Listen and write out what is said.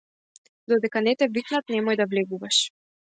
Додека не те викнат немој да влегуваш.